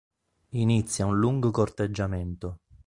Inizia un lungo corteggiamento.